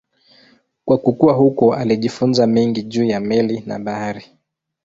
Kwa kukua huko alijifunza mengi juu ya meli na bahari.